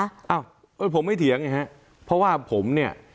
อ้าวผมไม่เถียงนะครับเพราะว่าผมเนี่ย